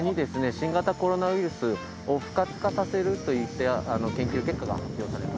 新型コロナウイルスを不活化させるといった研究結果が発表されました。